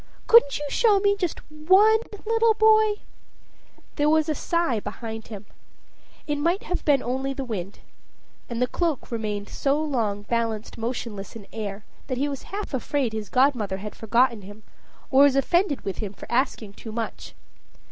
Couldn't you show me just one little boy?" There was a sigh behind him, it might have been only the wind, and the cloak remained so long balanced motionless in air that he was half afraid his godmother had forgotten him, or was offended with him for asking too much.